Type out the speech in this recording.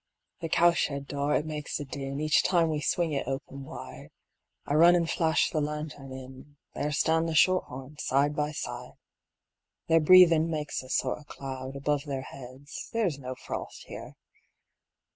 The cow shed door, it makes a din Each time we swing it open wide; I run an' flash the lantern in, There stand the shorthorns side by side. Their breathin' makes a sort of cloud Above their heads there's no frost here.